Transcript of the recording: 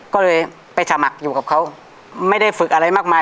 ก็เลยไปสมัครอยู่กับเขาไม่ได้ฝึกอะไรมากมาย